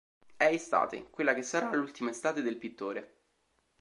È estate, quella che sarà l'ultima estate del pittore.